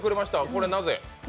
これはなぜ？